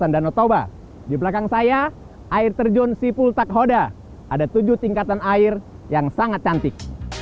dan utoba di belakang saya air terjun sipul takhoda ada tujuh tingkatan air yang sangat cantik